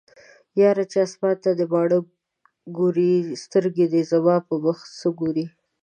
یاره چې اسمان ته دې باڼه ګوري سترګې دې زما په مخکې څه ګوري